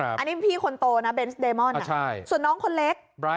อันนี้พี่คนโตนะเบนส์เดมอนส่วนน้องคนเล็ก